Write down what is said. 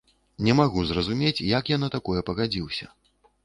Не магу зразумець, як я на такое пагадзіўся.